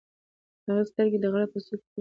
د هغې سترګې د غره په څوکه کې خښې وې.